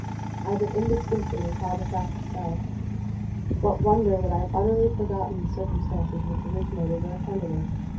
I but indistinctly recall the fact itself what wonder that I have utterly forgotten the circumstances which originated or attended it?